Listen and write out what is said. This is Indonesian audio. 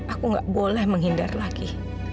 aku nggak boleh menghindar lagi